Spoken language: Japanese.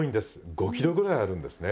５ｋｇぐらいあるんですね。